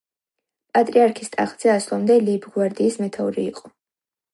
პატრიარქის ტახტზე ასვლამდე ლეიბგვარდიის მეთაური იყო.